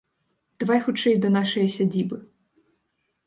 Давай хутчэй да нашае сядзібы.